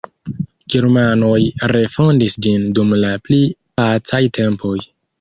Germanoj refondis ĝin dum la pli pacaj tempoj.